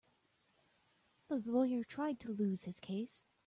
The lawyer tried to lose his case.